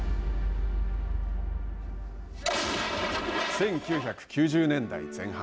１９９０年代前半。